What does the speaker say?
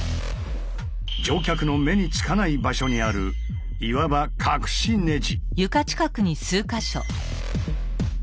乗客の目につかない場所にあるいわば隠しネジ。